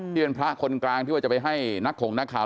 ที่เป็นพระคนกลางที่ว่าจะไปให้นักข่งนักข่าว